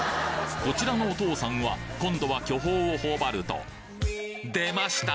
こちらのお父さんは今度は巨峰を頬張ると出ました！